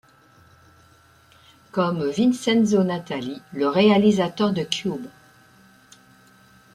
Comme Vincenzo Natali, le réalisateur de Cube.